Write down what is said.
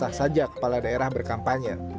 sah saja kepala daerah berkampanye